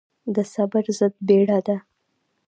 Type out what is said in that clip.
د صبر ضد بيړه ده.